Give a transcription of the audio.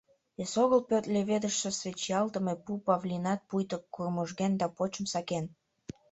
Эсогыл пӧрт леведышысе чиялтыме пу павлинат пуйто курмыжген да почшым сакен.